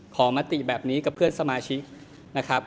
มติแบบนี้กับเพื่อนสมาชิกนะครับ